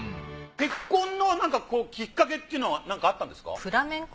結婚のなんかこうきっかけっていうのはなんかあったんですか？